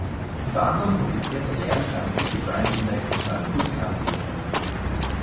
Unter anderem publiziert er jährlich einen City-Brand-Index und einen Good Country Index.